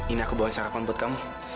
ini aku bawa sarapan buat kamu